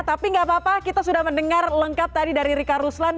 tapi gak apa apa kita sudah mendengar lengkap tadi dari rika ruslan